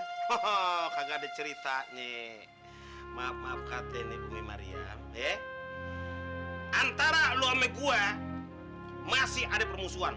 hoho kagak ada ceritanya maaf maaf kak tene umi mariam ya antara lu ama gua masih ada permusuhan